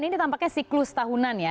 ini tampaknya siklus tahunan ya